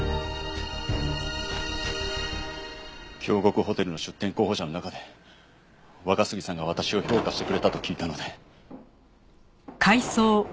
京極ホテルの出店候補者の中で若杉さんが私を評価してくれたと聞いたので。